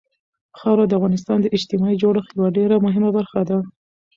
خاوره د افغانستان د اجتماعي جوړښت یوه ډېره مهمه برخه ده.